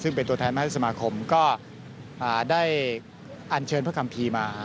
ซึ่งเป็นตัวแทนมาให้สมาคมก็ได้อันเชิญพระคัมภีร์มา